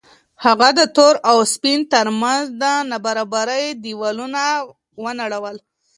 هغه د تور او سپین تر منځ د نابرابرۍ دېوالونه ونړول.